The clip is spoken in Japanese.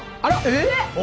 えっ？